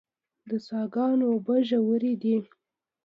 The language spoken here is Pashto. د څاه ګانو اوبه ژورې دي